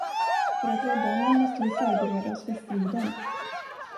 För att rädda honom måste vi förbereda oss för striden.